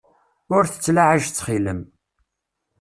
Ur tettlaɛaj ttxil-m.